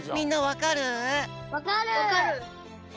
わかる！